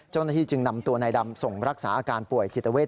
เจ้าหน้าที่จึงนำตัวนายดำส่งรักษาอาการป่วยจิตเวท